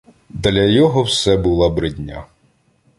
Для його все була бридня.